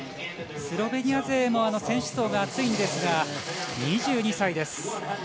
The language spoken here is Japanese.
スロベニア勢も選手層が厚いんですが２２歳です。